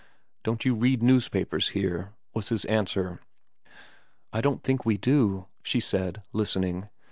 ' Don't you read newspapers here ?' was his answer. * I don't think we do,' she said, listening.